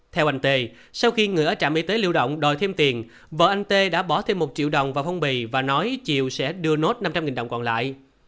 theo anh t sau khi người ở trạm y tế lưu động đòi thêm tiền vợ anh tê đã bỏ thêm một triệu đồng vào hông bì và nói chiều sẽ đưa nốt năm trăm linh đồng còn lại